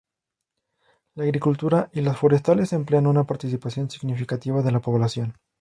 La agricultura y las forestales emplean una participación significativa de la población.